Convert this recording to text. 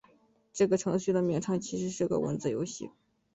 这个程序的名称其实是个文字游戏。